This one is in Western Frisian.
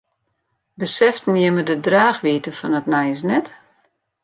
Beseften jimme de draachwiidte fan it nijs net?